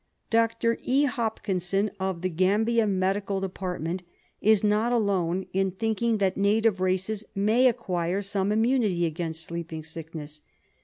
Dr. E. Hopkinson, of the Gambia Medical Department, is not alone in thinking that native races may acquire some immunity against sleeping sickness.